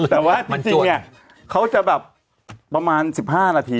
แต่ว่าจริงเนี่ยเขาจะแบบประมาณ๑๕นาที